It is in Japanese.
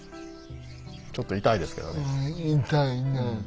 ちょっと痛いですけどね。